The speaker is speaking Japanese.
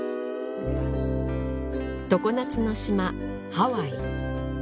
常夏の島ハワイ